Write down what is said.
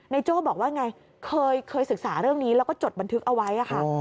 โจ้บอกว่าไงเคยศึกษาเรื่องนี้แล้วก็จดบันทึกเอาไว้ค่ะ